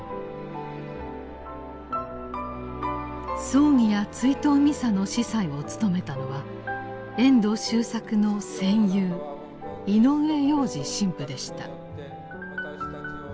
葬儀や追悼ミサの司祭を務めたのは遠藤周作の「戦友」井上洋治神父でした。